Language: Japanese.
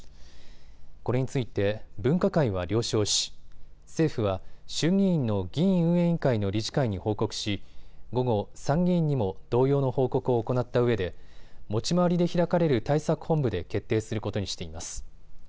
これについて分科会は了承し、政府は衆議院の議院運営委員会の理事会に報告し午後、参議院にも同様の報告を行ったうえで持ち回りで開かれる対策本部で決定することにしています。